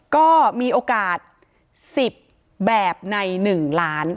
ก็มีโอกาส๑๐แบบใน๑ล้าน